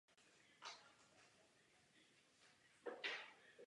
V čele delegace je bývalý velitel pevnosti na Rýně.